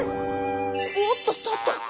おっとっとっと。